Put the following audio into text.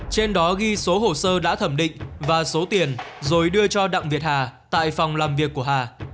trên đó ghi số hồ sơ đã thẩm định và số tiền rồi đưa cho đặng việt hà tại phòng làm việc của hà